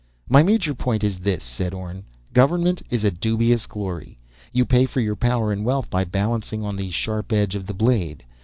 "My major point is this," said Orne. "Government is a dubious glory. You pay for your power and wealth by balancing on the sharp edge of the blade.